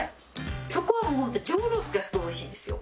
そこは上ロースがすごい美味しいんですよ。